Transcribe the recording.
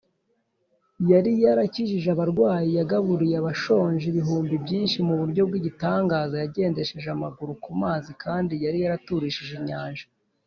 yari yarakijije abarwayi, yagaburiye abashonje ibihumbi byinshi mu buryo bw’igitangaza, yagendesheje amaguru ku mazi kandi yari yaraturishije inyanja